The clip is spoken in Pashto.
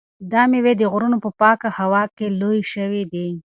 دا مېوې د غرونو په پاکه هوا کې لویې شوي دي.